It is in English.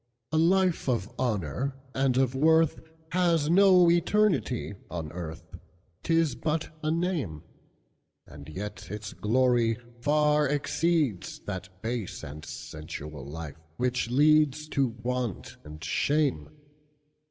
"A life of honor and of worthHas no eternity on earth,'T is but a name; And yet its glory far exceedsThat base and sensual life, which leadsTo want and shame.